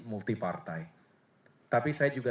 multi partai tapi saya juga